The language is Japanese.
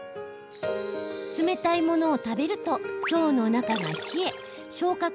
冷たいものを食べると腸の中が冷え消化